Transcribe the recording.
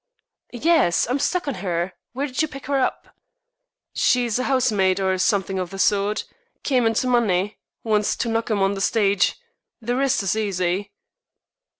"Yes, I'm stuck on her! Where did you pick her up?" "She's a housemaid, or something of the sort. Came into money. Wants to knock 'em on the stige. The rest is easy."